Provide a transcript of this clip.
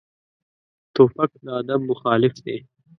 توپک د ادب مخالف دی.